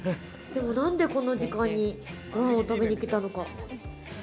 なんで、こんな時間にご飯を食べに来たのか？